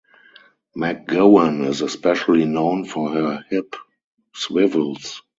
McGowan is especially known for her hip swivels.